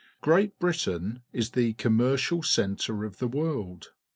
Great Britain is the commercial cjintrejji the_ w;orld.